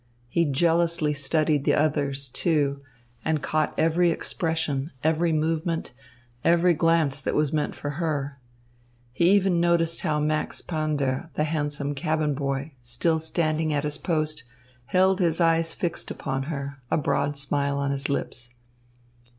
He jealously studied the others, too, and caught every expression, every movement, every glance that was meant for her. He even noticed how Max Pander, the handsome cabin boy, still standing at his post, held his eyes fixed upon her, a broad smile on his lips.